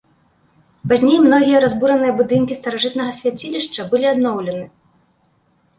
Пазней многія разбураныя будынкі старажытнага свяцілішча былі адноўлены.